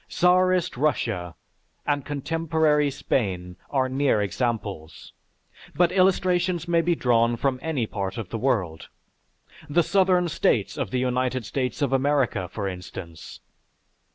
Czarist Russia, and contemporary Spain are near examples, but illustrations may be drawn from any part of the world; the Southern States of the United States of America, for instance.